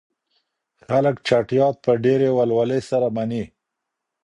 خلګ چټیات په ډیرې ولولې سره مني.